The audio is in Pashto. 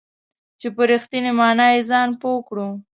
چې په رښتینې معنا یې ځان پوه کړو .